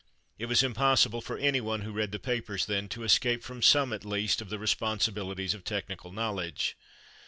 It was impossible for anyone who read the papers then to escape from some at least of the responsibilities of technical knowledge.